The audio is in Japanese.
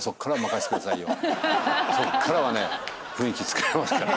そっからはね雰囲気つくれますから。